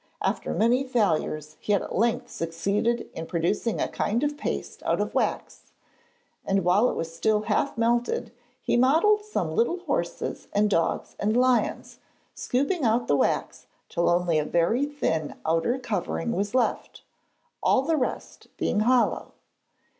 After many failures he at length succeeded in producing a kind of paste out of wax, and while it was still half melted he modelled some little horses and dogs and lions, scooping out the wax till only a very thin outer covering was left, all the rest being hollow.